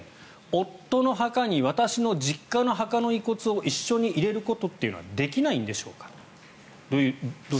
夫の墓に私の実家の墓の遺骨を一緒に入れることというのはできないんでしょうかという。